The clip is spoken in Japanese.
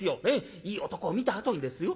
いい男を見たあとにですよ